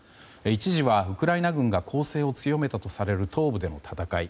一時はウクライナ軍が攻勢を強めたとされる東部での戦い。